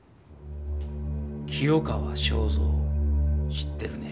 清川昭三知ってるね？